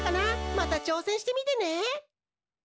またちょうせんしてみてね！